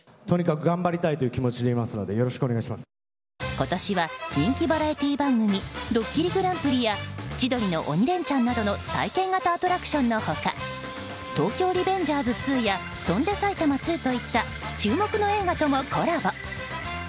今年は人気バラエティー番組「ドッキリＧＰ」や「千鳥の鬼レンチャン」などの体験型アトラクションの他「東京リベンジャーズ２」や「翔んで埼玉２」といった注目の映画ともコラボ。